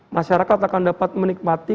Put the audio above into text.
masyarakat akan dapat menikmati